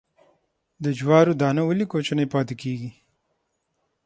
د جوارو دانه ولې کوچنۍ پاتې کیږي؟